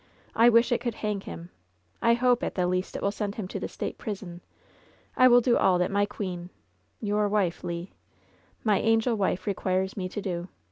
I wish it could hang him I I hope, at the least, it will send him to the State prison 1 I will do all that my queen ^^ "Your wife, Le." "My angel wife requires me to do.